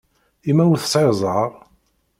I ma ur sεiɣ ẓẓher?